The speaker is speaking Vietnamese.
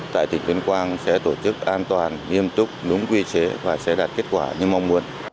tại tỉnh tuyên quang sẽ tổ chức an toàn nghiêm túc đúng quy chế và sẽ đạt kết quả như mong muốn